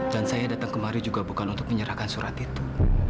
dan saya datang kemari juga bukan untuk menyerahkan surat itu